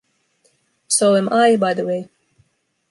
So am I, by the way.